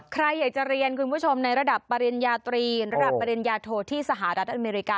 ใครอยากจะเรียนคุณผู้ชมในระดับปริญญาตรีระดับปริญญาโทที่สหรัฐอเมริกา